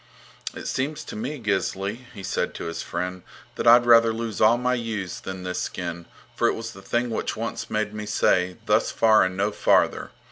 It seems to me, Gisli, he said to his friend, that I'd rather lose all my ewes than this skin, for it was the thing which once made me say, 'Thus far and no farther!'